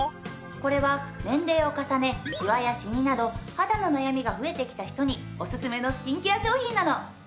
これは年齢を重ねシワやシミなど肌の悩みが増えてきた人におすすめのスキンケア商品なの。